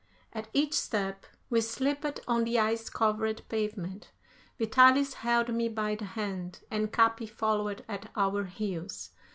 At each step we slipped on the ice covered pavement. Vitalis held me by the hand, and Capi followed at our heels.